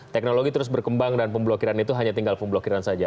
teknologi terus berkembang dan pemblokiran itu hanya tinggal pemblokiran saja